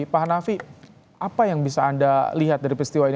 pak hanafi apa yang bisa anda lihat dari peristiwa ini